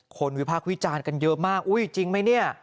คนวิพากษ์วิจารย์กันเยอะมากจริงไหม